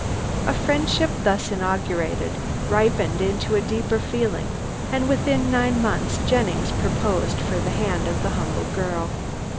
A friendship thus inaugurated ripened into a deeper feeling, and within nine months Jennings proposed for the hand of the humble girl.